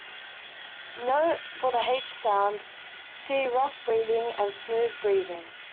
Note: for the "h" sound, see rough breathing and smooth breathing.